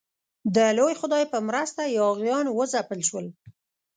د لوی خدای په مرسته یاغیان وځپل شول.